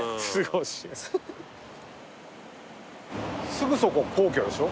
すぐそこ皇居でしょ？